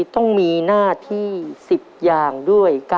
ต้องมีหน้าที่๑๐อย่างด้วย